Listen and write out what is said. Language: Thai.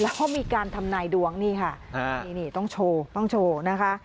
แล้วก็มีการทำนายดวงนี่ค่ะนี่ต้องโชว์ต้องโชว์นะคะ